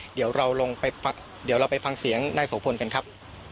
เดี๋ยวเราลงไปเดี๋ยวเราไปฟังเสียงนายโสพลกันครับ